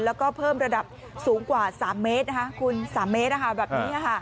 แล้วก็เพิ่มระดับสูงกว่า๓เมตรคุณ๓เมตรแบบนี้